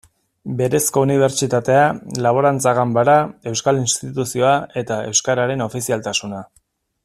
Berezko unibertsitatea, Laborantza Ganbara, Euskal Instituzioa eta euskararen ofizialtasuna.